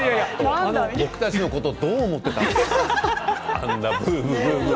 僕たちのことどう思っていたんですか？